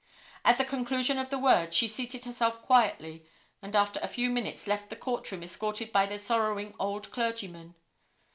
At the conclusion of the words, she seated herself quietly, and after a few minutes left the court room escorted by the sorrowing old clergyman.